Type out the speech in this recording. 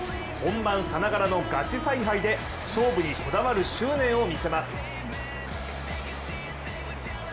本番さながらのガチ采配で勝負にこだわる執念を見せます。